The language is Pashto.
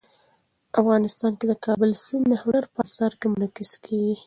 افغانستان کې د کابل سیند د هنر په اثار کې منعکس کېږي.